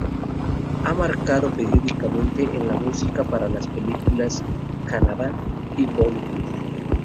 Ha marcado predominantemente en la música para películas de Kannada y Bollywood.